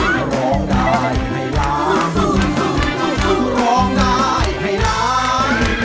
สูงเขาะทุกนะร้องได้ให้ได้